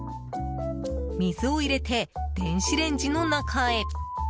水を入れて、電子レンジの中へ。